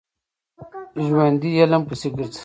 ژوندي علم پسې ګرځي